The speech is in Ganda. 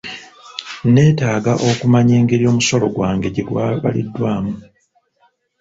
Nneetaaga okumanya engeri omusolo gwange gye gwabaliddwamu.